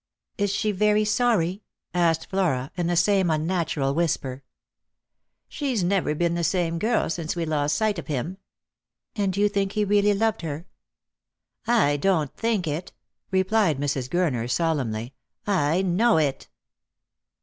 " Is she very sorry ?" asked Flora, in the same unnatural whisper. " She's never been the same girl since we lost sight of him." " And you think he really loved her ?"" I don't think it," rephed Mrs. Gurner solemnly, " I know it."